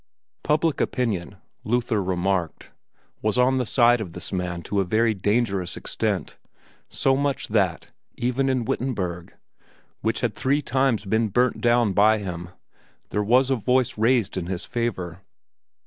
Public opinion, Luther remarked, was on the side of this man to a very dangerous extent so much so that, even in Wittenberg, which had three times been burnt down by him, there was a voice raised in his favor.